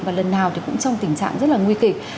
và lần nào thì cũng trong tình trạng rất là nguy kịch